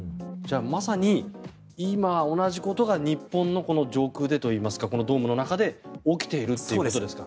まさに今、同じことが日本の上空でというかこのドームの中で起きているということですか？